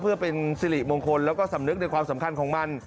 เพื่อเป็นสิริมงคลแล้วก็สำนึกในความสำคัญของมัน